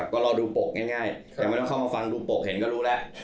ก็รอดูปกง่ายแต่ไม่ต้องเข้ามาฟังดูปกเห็นก็รู้แล้ว